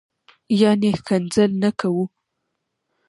یعنی شکنځل نه کوه